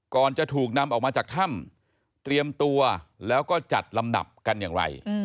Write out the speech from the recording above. จะถูกนำออกมาจากถ้ำเตรียมตัวแล้วก็จัดลำดับกันอย่างไร